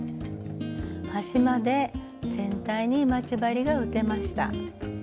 端まで全体に待ち針が打てました。